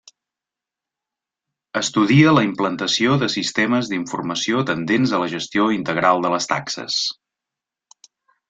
Estudia la implantació de sistemes d'informació tendents a la gestió integral de les taxes.